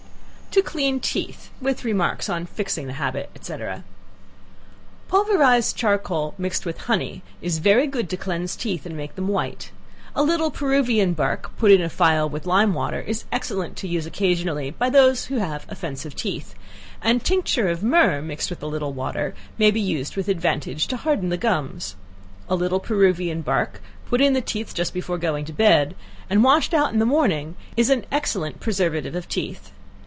To Clean Teeth. With Remarks on Fixing the Habit, &c. Pulverized charcoal mixed with honey, is very good to cleanse teeth, and make them white. A little Peruvian bark put in a phial with lime water is excellent to use occasionally by those that have offensive teeth; and tincture of myrrh mixed with a little water, may be used with advantage, to harden the gums. A little Peruvian bark put in the teeth just before going to bed, and washed out in the morning, is an excellent preservative of teeth.